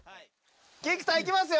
菊田いきますよ。